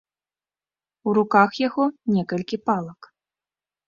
У руках яго некалькі палак.